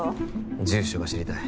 住所が知りたい